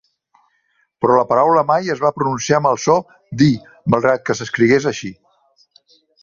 Però la paraula mai es va pronunciar amb el so d'"y", malgrat que s'escrigués així.